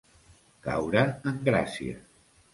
Caure en gràcia.